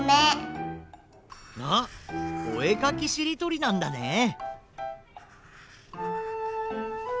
あっおえかきしりとりなんだね。